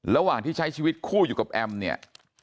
ระหว่างที่ใช้ชีวิตคู่อยู่กับแอมเนี่ย